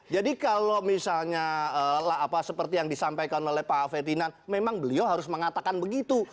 jadi kalau misalnya seperti yang disampaikan oleh pak fetina memang beliau harus mengatakan begitu